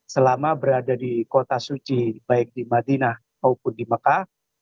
selama berada di kota suci baik di madinah maupun di mekah